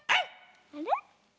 あれ？